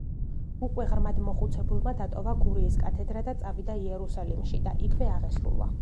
უკვე ღრმად მოხუცებულმა დატოვა გურიის კათედრა და წავიდა იერუსალიმში და იქვე აღესრულა.